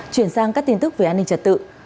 chuyển sang các tin tức về an ninh trật tự